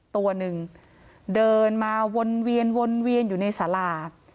ตัวหนึ่งเดินมาวนเวียนวนเวียนอยู่ในสารา